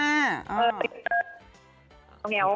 เออแมวของเขาอะไรอย่างนี้